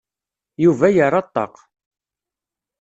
Yuba yerra ṭṭaq.